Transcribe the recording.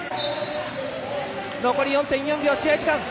残り４．４秒、試合時間。